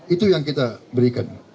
itu yang kita berikan